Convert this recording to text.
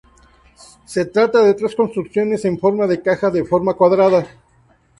Se trata de tres construcciones en forma de caja de forma cuadrada.